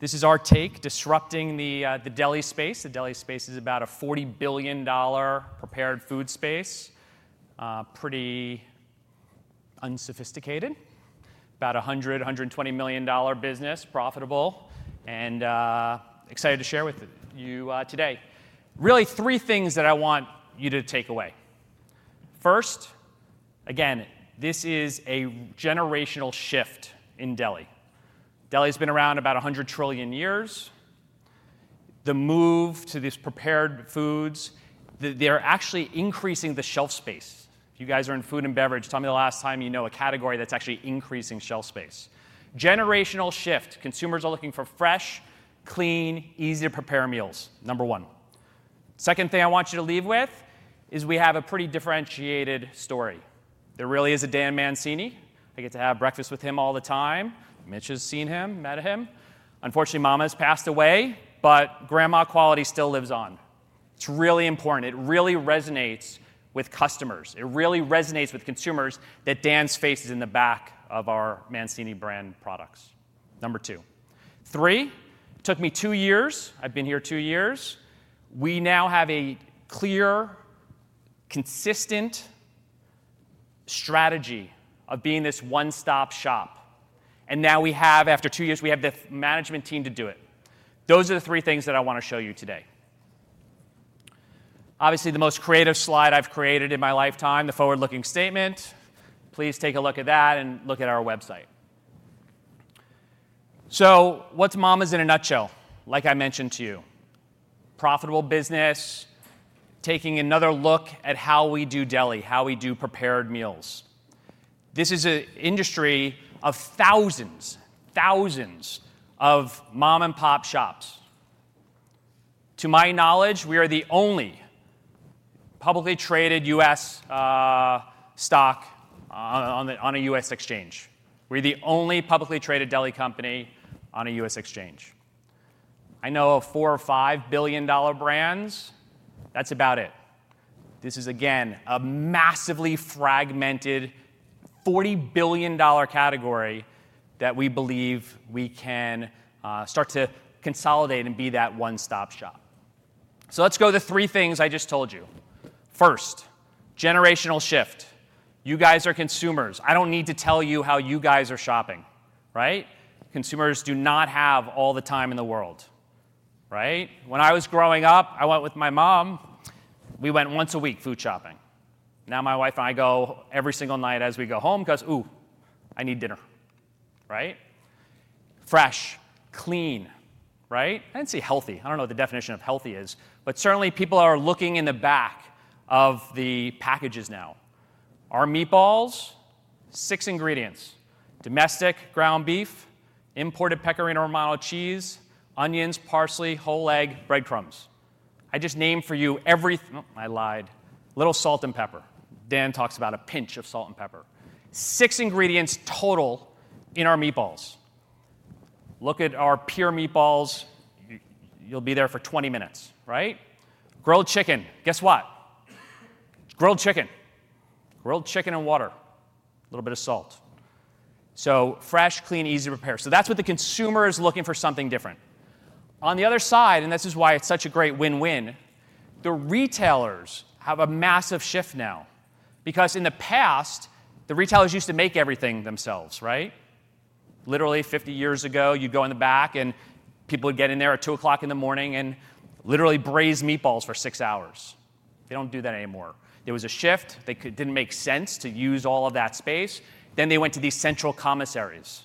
This is our take disrupting the deli space. The deli space is about a $40 billion prepared food space, pretty unsophisticated, about a $100 million-$120 million business, profitable, and excited to share with you today. Really, three things that I want you to take away. First, again, this is a generational shift in deli. Deli has been around about 100 trillion years. The move to these prepared foods, they're actually increasing the shelf space. If you guys are in food and beverage, tell me the last time you know a category that's actually increasing shelf space. Generational shift. Consumers are looking for fresh, clean, easy-to-prepare meals, number one. Second thing I want you to leave with is we have a pretty differentiated story. There really is a Dan Mancini. I get to have breakfast with him all the time. Mitch has seen him, met him. Unfortunately, Mama's passed away, but grandma quality still lives on. It's really important. It really resonates with customers. It really resonates with consumers that Dan's face is in the back of our Mancini brand products, number two. Three, it took me two years. I've been here two years. We now have a clear, consistent strategy of being this one-stop shop. And now we have, after two years, we have the management team to do it. Those are the three things that I want to show you today. Obviously, the most creative slide I've created in my lifetime, the forward-looking statement. Please take a look at that and look at our website. So what's Mama's in a nutshell, like I mentioned to you? Profitable business, taking another look at how we do deli, how we do prepared meals. This is an industry of thousands, thousands of mom-and-pop shops. To my knowledge, we are the only publicly traded U.S. stock on a U.S. exchange. We're the only publicly traded deli company on a U.S. exchange. I know of four or five billion-dollar brands. That's about it. This is, again, a massively fragmented $40 billion category that we believe we can start to consolidate and be that one-stop shop. So let's go to the three things I just told you. First, generational shift. You guys are consumers. I don't need to tell you how you guys are shopping, right? Consumers do not have all the time in the world, right? When I was growing up, I went with my mom. We went once a week food shopping. Now my wife and I go every single night as we go home because, ooh, I need dinner, right? Fresh, clean, right? I didn't say healthy. I don't know what the definition of healthy is, but certainly people are looking in the back of the packages now. Our meatballs, six ingredients: domestic ground beef, imported Pecorino Romano cheese, onions, parsley, whole egg, breadcrumbs. I just named for you everything. I lied. Little salt and pepper. Dan talks about a pinch of salt and pepper. Six ingredients total in our meatballs. Look at our Pierre meatballs. You'll be there for 20 minutes, right? Grilled chicken. Guess what? Grilled chicken. Grilled chicken and water. Little bit of salt. So fresh, clean, easy to prepare. So that's what the consumer is looking for, something different. On the other side, and this is why it's such a great win-win, the retailers have a massive shift now because in the past, the retailers used to make everything themselves, right? Literally, 50 years ago, you'd go in the back and people would get in there at 2:00 A.M. and literally braise meatballs for six hours. They don't do that anymore. There was a shift. It didn't make sense to use all of that space, then they went to these central commissaries,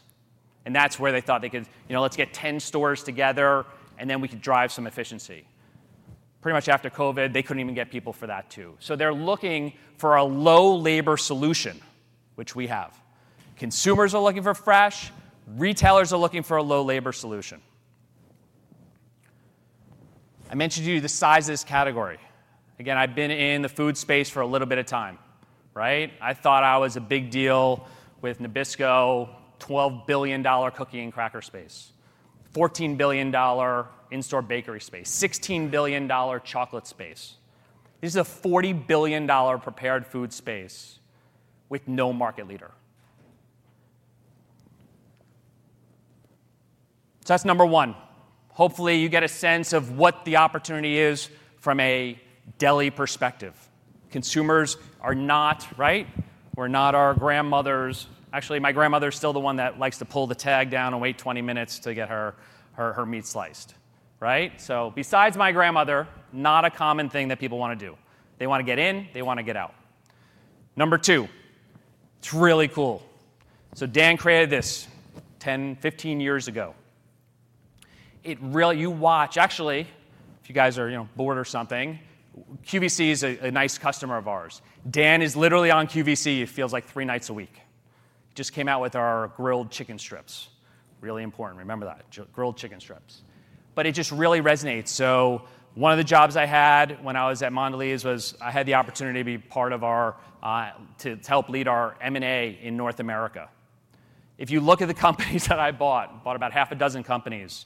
and that's where they thought they could, you know, let's get 10 stores together and then we could drive some efficiency. Pretty much after COVID, they couldn't even get people for that, too, so they're looking for a low-labor solution, which we have. Consumers are looking for fresh. Retailers are looking for a low-labor solution. I mentioned to you the size of this category. Again, I've been in the food space for a little bit of time, right? I thought I was a big deal with Nabisco, $12 billion cookie and cracker space, $14 billion in-store bakery space, $16 billion chocolate space. This is a $40 billion prepared food space with no market leader, so that's number one. Hopefully, you get a sense of what the opportunity is from a deli perspective. Consumers are not, right? We're not our grandmothers. Actually, my grandmother's still the one that likes to pull the tag down and wait 20 minutes to get her meat sliced, right, so besides my grandmother, not a common thing that people want to do. They want to get in. They want to get out. Number two, it's really cool, so Dan created this 10, 15 years ago. You watch. Actually, if you guys are bored or something, QVC is a nice customer of ours. Dan is literally on QVC. It feels like three nights a week. Just came out with our grilled chicken strips. Really important. Remember that. Grilled chicken strips. But it just really resonates. So one of the jobs I had when I was at Mondelēz was I had the opportunity to be part of our to help lead our M&A in North America. If you look at the companies that I bought, bought about half a dozen companies,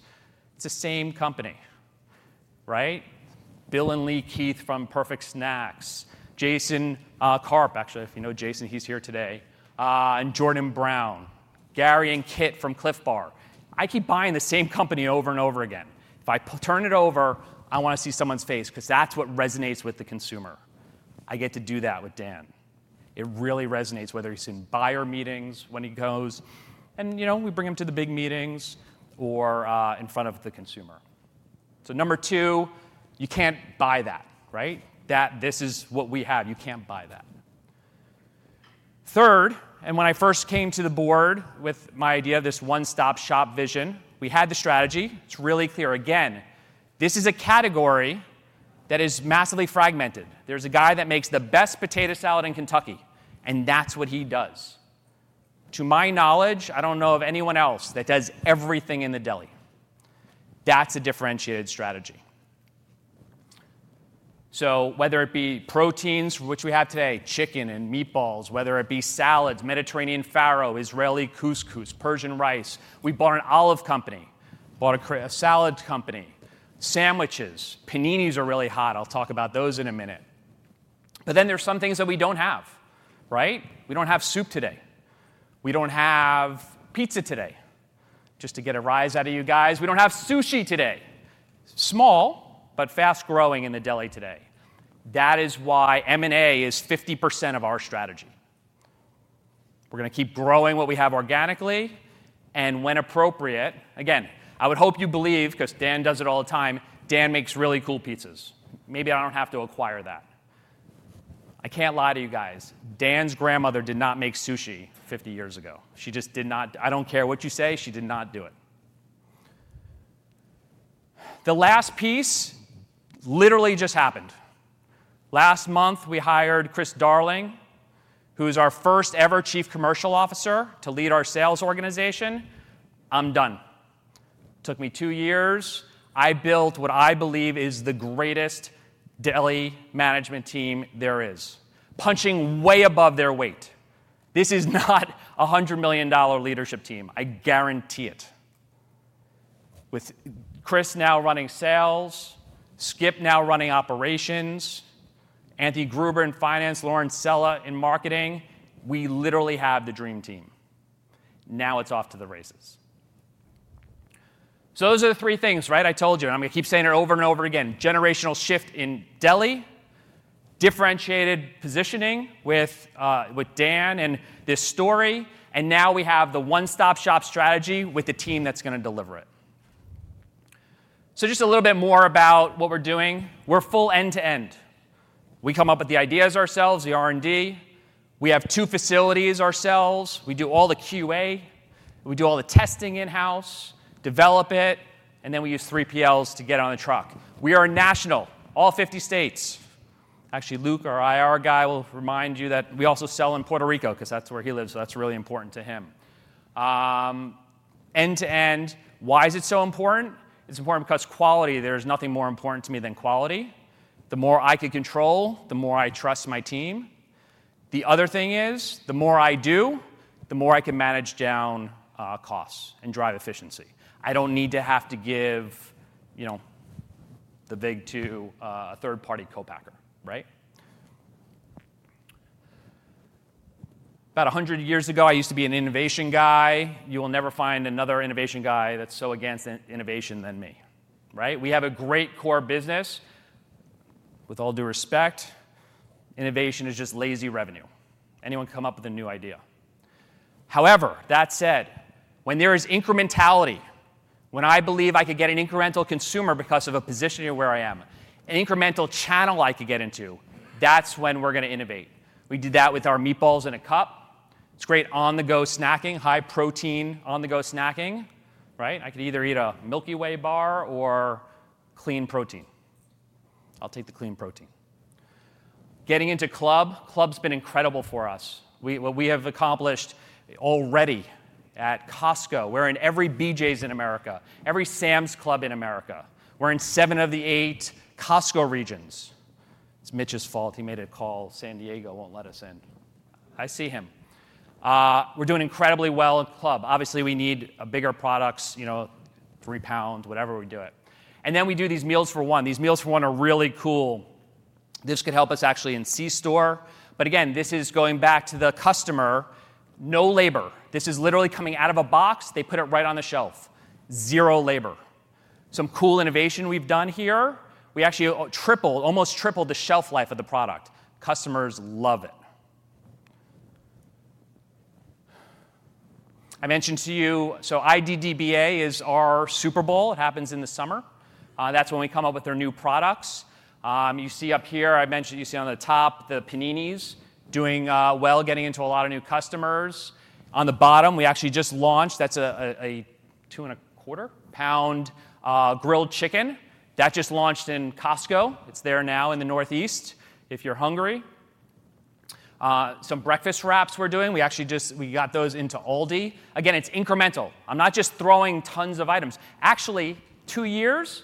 it's the same company, right? Bill and Leigh Keith from Perfect Snacks, Jason Karp, actually, if you know Jason, he's here today, and Jordan Brown, Gary and Kit from Clif Bar. I keep buying the same company over and over again. If I turn it over, I want to see someone's face because that's what resonates with the consumer. I get to do that with Dan. It really resonates whether he's in buyer meetings when he goes, and we bring him to the big meetings or in front of the consumer. So number two, you can't buy that, right? That this is what we have. You can't buy that. Third, and when I first came to the board with my idea of this one-stop shop vision, we had the strategy. It's really clear. Again, this is a category that is massively fragmented. There's a guy that makes the best potato salad in Kentucky, and that's what he does. To my knowledge, I don't know of anyone else that does everything in the deli. That's a differentiated strategy. So whether it be proteins, which we have today, chicken and meatballs, whether it be salads, Mediterranean farro, Israeli couscous, Persian rice, we bought an olive company, bought a salad company, sandwiches, paninis are really hot. I'll talk about those in a minute. But then there's some things that we don't have, right? We don't have soup today. We don't have pizza today. Just to get a rise out of you guys, we don't have sushi today. Small, but fast growing in the deli today. That is why M&A is 50% of our strategy. We're going to keep growing what we have organically, and when appropriate, again, I would hope you believe because Dan does it all the time. Dan makes really cool pizzas. Maybe I don't have to acquire that. I can't lie to you guys. Dan's grandmother did not make sushi 50 years ago. She just did not. I don't care what you say. She did not do it. The last piece literally just happened. Last month, we hired Chris Darling, who is our first-ever Chief Commercial Officer to lead our sales organization. I'm done. Took me two years. I built what I believe is the greatest deli management team there is, punching way above their weight. This is not a $100 million leadership team. I guarantee it. With Chris now running sales, Skip now running operations, Anthony Gruber in finance, Lauren Sella in marketing, we literally have the dream team. Now it's off to the races. So those are the three things, right? I told you. I'm going to keep saying it over and over again. Generational shift in deli, differentiated positioning with Dan and this story, and now we have the one-stop shop strategy with the team that's going to deliver it. So just a little bit more about what we're doing. We're full end-to-end. We come up with the ideas ourselves, the R&D. We have two facilities ourselves. We do all the QA. We do all the testing in-house, develop it, and then we use 3PLs to get on the truck. We are national, all 50 states. Actually, Luke, our IR guy, will remind you that we also sell in Puerto Rico because that's where he lives, so that's really important to him. End-to-end, why is it so important? It's important because quality. There is nothing more important to me than quality. The more I can control, the more I trust my team. The other thing is the more I do, the more I can manage down costs and drive efficiency. I don't need to have to give the vig to a third-party co-packer, right? About 100 years ago, I used to be an innovation guy. You will never find another innovation guy that's so against innovation than me, right? We have a great core business. With all due respect, innovation is just lazy revenue. Anyone can come up with a new idea. However, that said, when there is incrementality, when I believe I could get an incremental consumer because of a positioning where I am, an incremental channel I could get into, that's when we're going to innovate. We did that with our meatballs in a cup. It's great on-the-go snacking, high protein on-the-go snacking, right? I could either eat a Milky Way bar or clean protein. I'll take the clean protein. Getting into club. Club's been incredible for us. What we have accomplished already at Costco. We're in every BJ's in America, every Sam's Club in America. We're in seven of the eight Costco regions. It's Mitch's fault. He made a call. San Diego won't let us in. I see him. We're doing incredibly well in club. Obviously, we need bigger products, 3 lbs, whatever we do it. And then we do these meals for one. These meals for one are really cool. This could help us actually in C-store. But again, this is going back to the customer. No labor. This is literally coming out of a box. They put it right on the shelf. Zero labor. Some cool innovation we've done here. We actually tripled, almost tripled the shelf life of the product. Customers love it. I mentioned to you, so IDDBA is our Super Bowl. It happens in the summer. That's when we come up with our new products. You see up here, I mentioned you see on the top the paninis doing well, getting into a lot of new customers. On the bottom, we actually just launched. That's a 2.25 lbs grilled chicken. That just launched in Costco. It's there now in the Northeast if you're hungry. Some breakfast wraps we're doing. We actually just got those into Aldi. Again, it's incremental. I'm not just throwing tons of items. Actually, two years,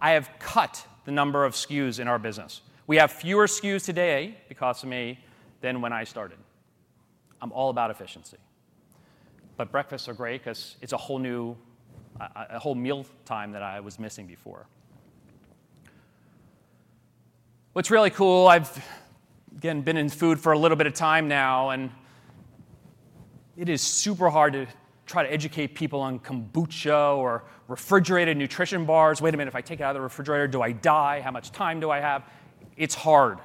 I have cut the number of SKUs in our business. We have fewer SKUs today because of me than when I started. I'm all about efficiency. But breakfasts are great because it's a whole new, a whole meal time that I was missing before. What's really cool, I've again been in food for a little bit of time now, and it is super hard to try to educate people on kombucha or refrigerated nutrition bars. Wait a minute. If I take it out of the refrigerator, do I die? How much time do I have? It's hard.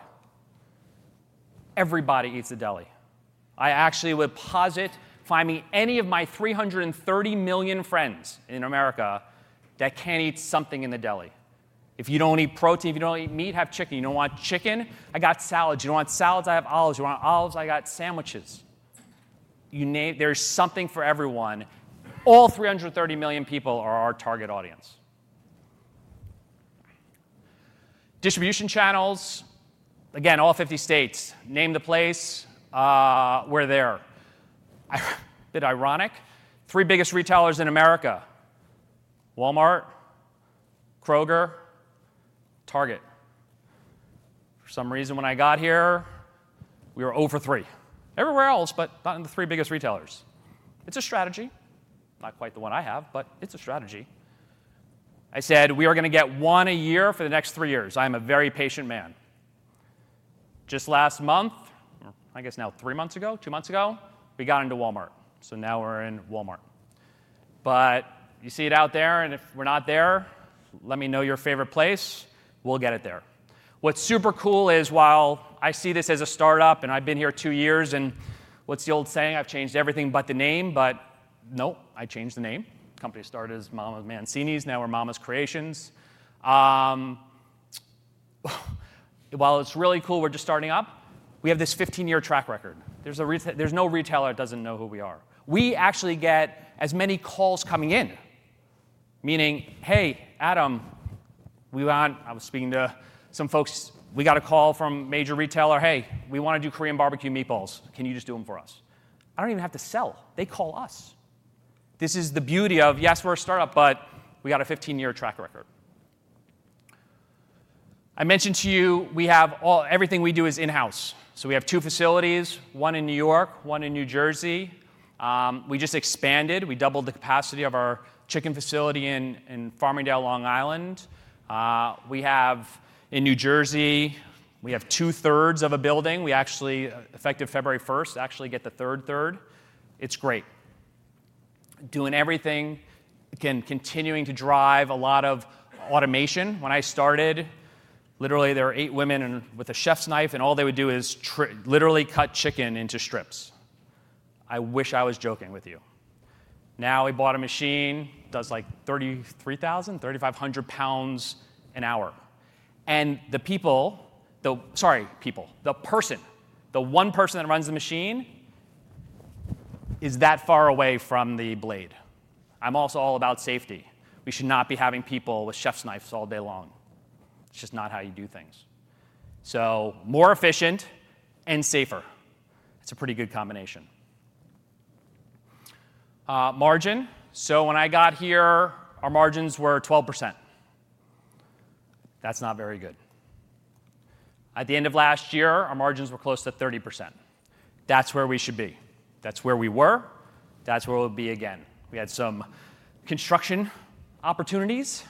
Everybody eats a deli. I actually would posit, find me any of my 330 million friends in America that can eat something in the deli. If you don't eat protein, if you don't eat meat, have chicken. You don't want chicken? I got salads. You don't want salads? I have olives. You want olives? I got sandwiches. There's something for everyone. All 330 million people are our target audience. Distribution channels. Again, all 50 states. Name the place where they're. A bit ironic. Three biggest retailers in America: Walmart, Kroger, Target. For some reason, when I got here, we were zero for three. Everywhere else, but not in the three biggest retailers. It's a strategy. Not quite the one I have, but it's a strategy. I said we are going to get one a year for the next three years. I am a very patient man. Just last month, I guess now three months ago, two months ago, we got into Walmart. So now we're in Walmart. But you see it out there, and if we're not there, let me know your favorite place. We'll get it there. What's super cool is while I see this as a startup and I've been here two years and what's the old saying? I've changed everything but the name, but no, I changed the name. Company started as MamaMancini's. Now we're Mama's Creations. While it's really cool, we're just starting up, we have this 15-year track record. There's no retailer that doesn't know who we are. We actually get as many calls coming in, meaning, "Hey, Adam, we want." I was speaking to some folks. We got a call from a major retailer. "Hey, we want to do Korean barbecue meatballs. Can you just do them for us?" I don't even have to sell. They call us. This is the beauty of, yes, we're a startup, but we got a 15-year track record. I mentioned to you we have everything we do is in-house. So we have two facilities, one in New York, one in New Jersey. We just expanded. We doubled the capacity of our chicken facility in Farmingdale, Long Island. In New Jersey, we have two-thirds of a building. We actually, effective February 1st, actually get the third-third. It's great. Doing everything, again, continuing to drive a lot of automation. When I started, literally, there were eight women with a chef's knife, and all they would do is literally cut chicken into strips. I wish I was joking with you. Now we bought a machine. It does like 3,300-3,500 lbs an hour. The one person that runs the machine is that far away from the blade. I'm also all about safety. We should not be having people with chef's knives all day long. It's just not how you do things. So more efficient and safer. It's a pretty good combination. Margins. So when I got here, our margins were 12%. That's not very good. At the end of last year, our margins were close to 30%. That's where we should be. That's where we were. That's where we'll be again. We had some construction opportunities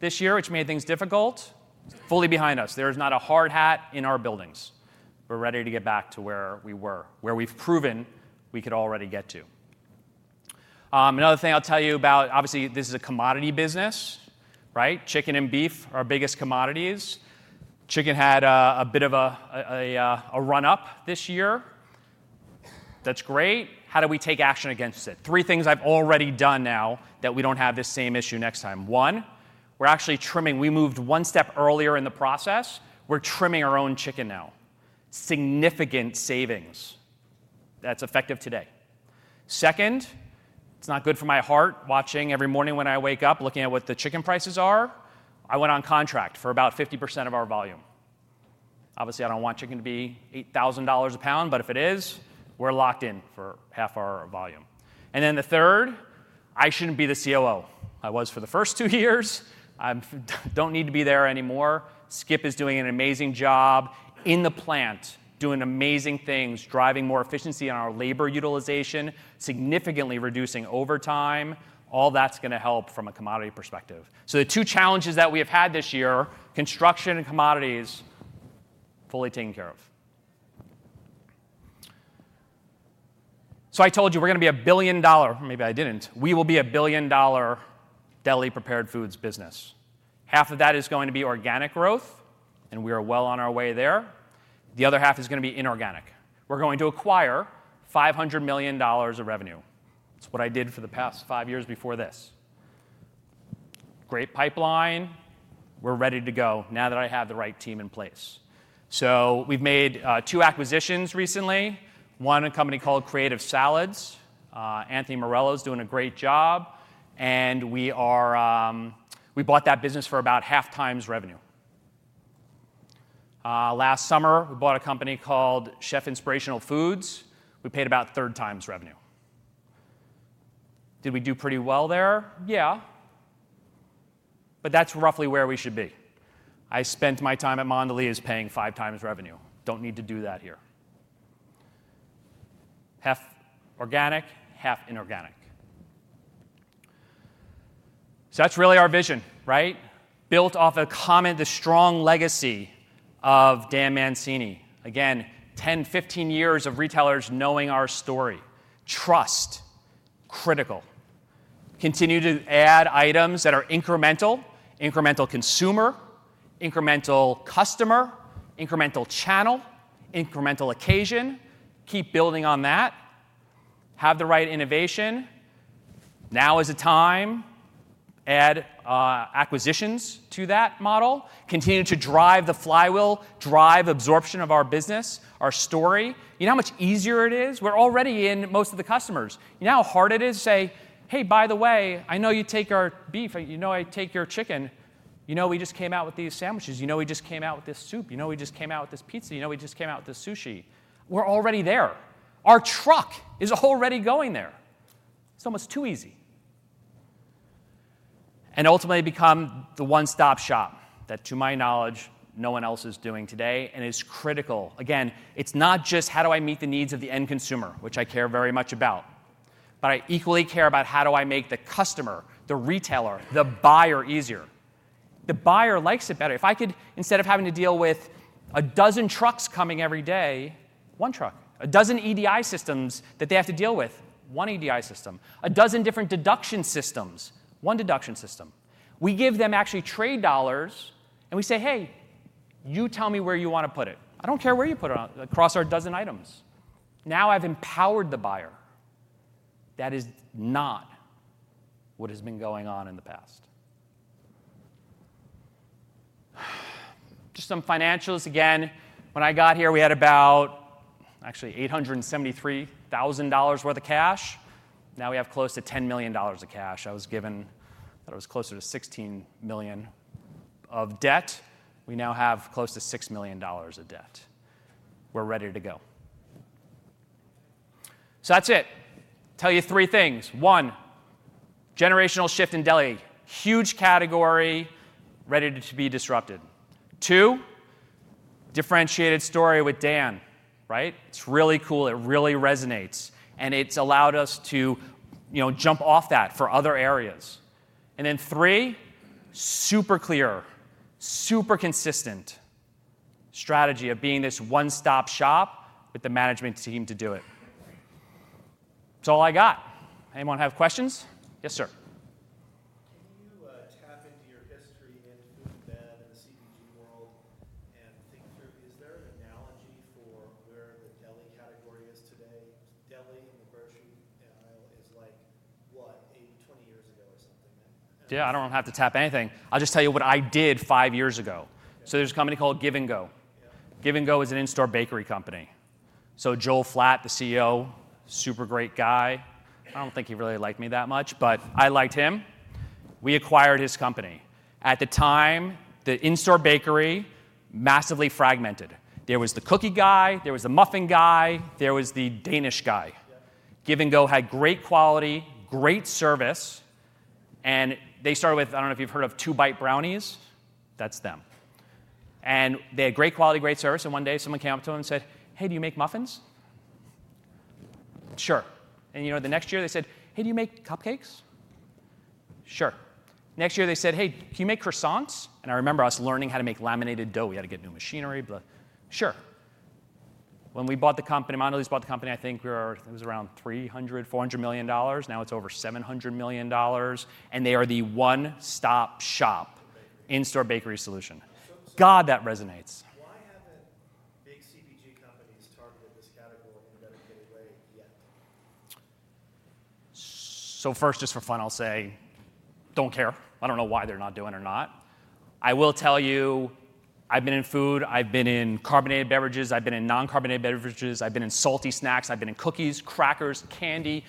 this year, which made things difficult. It's fully behind us. There is not a hard hat in our buildings. We're ready to get back to where we were, where we've proven we could already get to. Another thing I'll tell you about, obviously, this is a commodity business, right? Chicken and beef are our biggest commodities. Chicken had a bit of a run-up this year. That's great. How do we take action against it? Three things I've already done now that we don't have this same issue next time. One, we're actually trimming. We moved one step earlier in the process. We're trimming our own chicken now. Significant savings. That's effective today. Second, it's not good for my heart watching every morning when I wake up looking at what the chicken prices are. I went on contract for about 50% of our volume. Obviously, I don't want chicken to be $8,000 a pound, but if it is, we're locked in for half our volume. And then the third, I shouldn't be the COO. I was for the first two years. I don't need to be there anymore. Skip is doing an amazing job in the plant, doing amazing things, driving more efficiency on our labor utilization, significantly reducing overtime. All that's going to help from a commodity perspective. So the two challenges that we have had this year, construction and commodities, fully taken care of. So I told you we're going to be a $1 billion-or maybe I didn't-we will be a $1 billion deli prepared foods business. Half of that is going to be organic growth, and we are well on our way there. The other half is going to be inorganic. We're going to acquire $500 million of revenue. That's what I did for the past five years before this. Great pipeline. We're ready to go now that I have the right team in place. So we've made two acquisitions recently. One, a company called Creative Salads. Anthony Morello is doing a great job. And we bought that business for about half times revenue. Last summer, we bought a company called Chef Inspirational Foods. We paid about third times revenue. Did we do pretty well there? Yeah. But that's roughly where we should be. I spent my time at Mondelēz paying five times revenue. Don't need to do that here. Half organic, half inorganic. So that's really our vision, right? Built off a common, the strong legacy of Dan Mancini. Again, 10, 15 years of retailers knowing our story. Trust. Critical. Continue to add items that are incremental. Incremental consumer, incremental customer, incremental channel, incremental occasion. Keep building on that. Have the right innovation. Now is the time. Add acquisitions to that model. Continue to drive the flywheel, drive absorption of our business, our story. You know how much easier it is? We're already in most of the customers. You know how hard it is to say, "Hey, by the way, I know you take our beef. I know I take your chicken. We just came out with these sandwiches. We just came out with this soup. We just came out with this pizza. We just came out with this sushi." We're already there. Our truck is already going there. It's almost too easy. And ultimately become the one-stop shop that, to my knowledge, no one else is doing today and is critical. Again, it's not just how do I meet the needs of the end consumer, which I care very much about, but I equally care about how do I make the customer, the retailer, the buyer easier. The buyer likes it better. If I could, instead of having to deal with a dozen trucks coming every day, one truck. A dozen EDI systems that they have to deal with, one EDI system. A dozen different deduction systems, one deduction system. We give them actually trade dollars and we say, "Hey, you tell me where you want to put it. I don't care where you put it across our dozen items." Now I've empowered the buyer. That is not what has been going on in the past. Just some financials. Again, when I got here, we had about actually $873,000 worth of cash. Now we have close to $10 million of cash. I was given that it was closer to $16 million of debt. We now have close to $6 million of debt. We're ready to go. So that's it. Tell you three things. One, generational shift in deli. Huge category, ready to be disrupted. Two, differentiated story with Dan, right? It's really cool. It really resonates. And it's allowed us to jump off that for other areas. And then three, super clear, super consistent strategy of being this one-stop shop with the management team to do it. That's all I got. Anyone have questions? Yes, sir. Can you tap into your history in food and bev and the CPG world and think through, is there an analogy for where the deli category is today? Deli in the grocery aisle is like what? 80, 20 years ago or something. Yeah, I don't have to tap anything. I'll just tell you what I did five years ago. So there's a company called Give & Go. Give & Go is an in-store bakery company. So Joel Flatt, the CEO, super great guy. I don't think he really liked me that much, but I liked him. We acquired his company. At the time, the in-store bakery massively fragmented. There was the cookie guy. There was the muffin guy. There was the Danish guy. Give & Go had great quality, great service. And they started with, I don't know if you've heard of Two-Bite brownies. That's them. And they had great quality, great service. And one day, someone came up to them and said, "Hey, do you make muffins?" Sure. And the next year, they said, "Hey, do you make cupcakes?" Sure. Next year, they said, "Hey, can you make croissants?" And I remember I was learning how to make laminated dough. We had to get new machinery. Sure. When we bought the company, Mondelēz bought the company, I think it was around $300 million-$400 million. Now it's over $700 million. And they are the one-stop shop in-store bakery solution. God, that resonates. Why haven't big CPG companies targeted this category in a better way yet? So, first, just for fun, I'll say, "don't care." I don't know why they're not doing it or not. I will tell you, I've been in food. I've been in carbonated beverages. I've been in non-carbonated beverages. I've been in salty snacks. I've been in cookies, crackers, candy,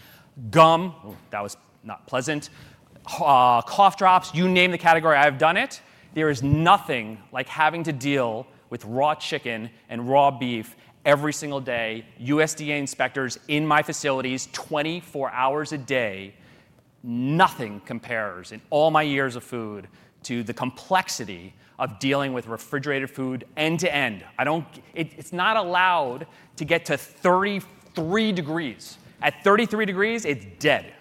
gum. That was not pleasant. Cough drops. You name the category, I've done it. There is nothing like having to deal with raw chicken and raw beef every single day. USDA inspectors in my facilities 24 hours a day. Nothing compares in all my years of food to the complexity of dealing with refrigerated food end to end. It's not allowed to get to 33 degrees. At 33 degrees, it's dead.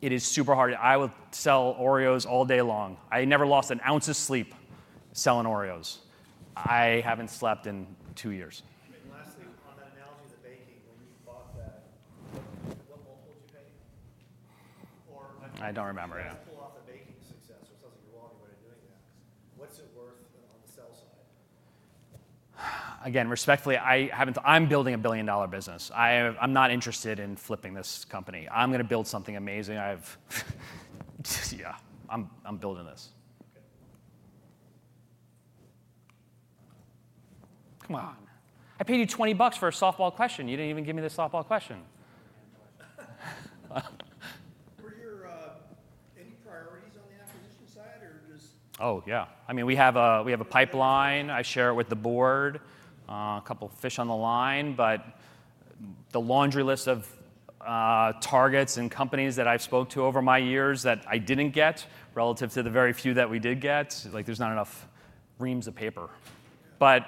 It is super hard. I will sell Oreos all day long. I never lost an ounce of sleep selling Oreos. I haven't slept in two years. Lastly, on that analogy of the baking, when you bought that, what multiple did you pay? I don't remember, yeah. How did you pull off the baking success? Or it sounds like you're walking away doing that. What's it worth on the sell side? Again, respectfully, I'm building a billion-dollar business. I'm not interested in flipping this company. I'm going to build something amazing. Yeah, I'm building this. Okay. Come on. I paid you 20 bucks for a softball question. You didn't even give me the softball question. Were there any priorities on the acquisition side or just? Oh, yeah. I mean, we have a pipeline. I share it with the board. A couple of fish on the line. But the laundry list of targets and companies that I've spoke to over my years that I didn't get relative to the very few that we did get, there's not enough reams of paper. But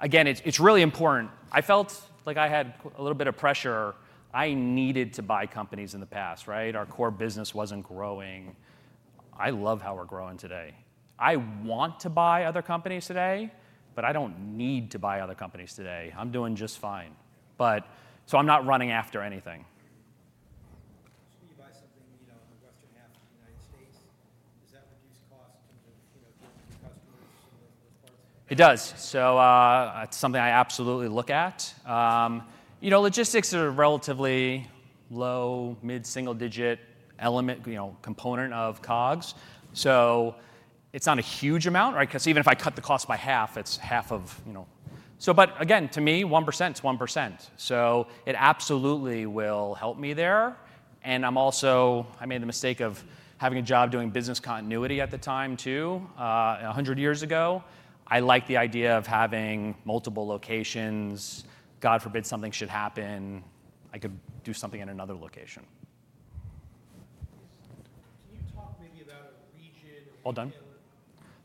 again, it's really important. I felt like I had a little bit of pressure. I needed to buy companies in the past, right? Our core business wasn't growing. I love how we're growing today. I want to buy other companies today, but I don't need to buy other companies today. I'm doing just fine. So I'm not running after anything. So when you buy something in the western half of the United States, does that reduce costs in terms of dealing with customers and those parts? It does. So it's something I absolutely look at. Logistics are a relatively low, mid-single-digit component of COGS. So it's not a huge amount, right? Because even if I cut the cost by half, it's half of. But again, to me, 1% is 1%. So it absolutely will help me there. And I made the mistake of having a job doing business continuity at the time too, 100 years ago. I like the idea of having multiple locations. God forbid something should happen, I could do something in another location. Can you talk maybe about a region? Hold on.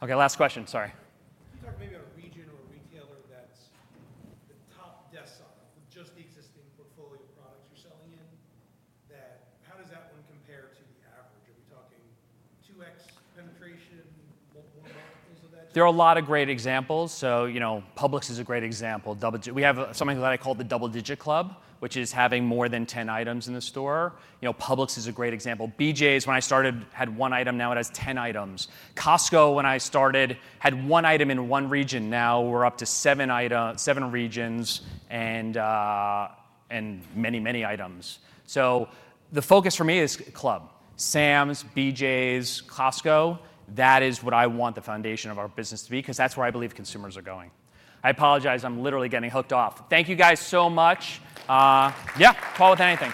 Okay, last question. Sorry. Can you talk maybe about a region or a retailer that's the top dog on it with just the existing portfolio products you're selling in? How does that one compare to the average? Are we talking 2X penetration, multiple multiples of that? There are a lot of great examples. So Publix is a great example. We have something that I call the Double Digit Club, which is having more than 10 items in the store. Publix is a great example. BJ's, when I started, had one item. Now it has 10 items. Costco, when I started, had one item in one region. Now we're up to seven regions and many, many items. So the focus for me is club. Sam's, BJ's, Costco. That is what I want the foundation of our business to be because that's where I believe consumers are going. I apologize. I'm literally getting hooked off. Thank you guys so much. Yeah, call with anything.